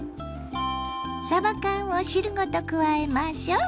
さば缶を汁ごと加えましょう。